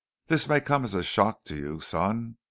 "This may come as a shock to you, son.